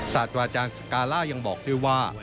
ศาสตราจารย์สกาล่ายังบอกด้วยว่า